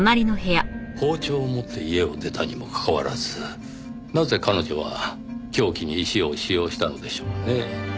包丁を持って家を出たにもかかわらずなぜ彼女は凶器に石を使用したのでしょうねぇ。